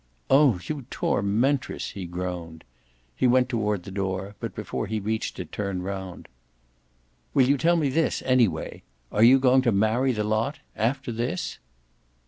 "Oh you tormentress!" he groaned. He went toward the door, but before he reached it turned round. "Will you tell me this anyway? ARE you going to marry the lot after this?"